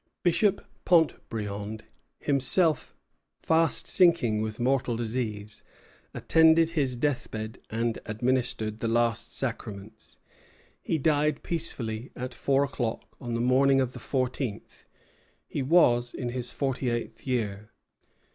Bishop Pontbriand, himself fast sinking with mortal disease, attended his death bed and administered the last sacraments. He died peacefully at four o'clock on the morning of the fourteenth. He was in his forty eighth year.